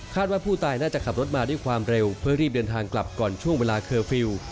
ว่าผู้ตายน่าจะขับรถมาด้วยความเร็วเพื่อรีบเดินทางกลับก่อนช่วงเวลาเคอร์ฟิลล์